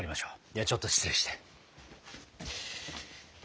ではちょっと失礼して。